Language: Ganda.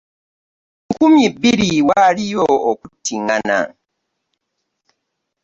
Mu nkumi bbiri waaliyo okuttiŋŋana.